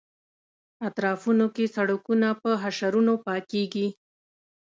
اطرافونو کې سړکونه په حشرونو پاکېږي.